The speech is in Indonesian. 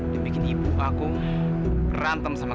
dan bikin ibu aku rantem sama kakek